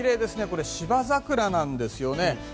これ芝桜なんですよね。